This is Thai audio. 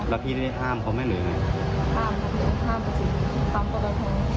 อ๋อแล้วพี่ที่ได้ห้ามเขาไม่เหนื่อยไง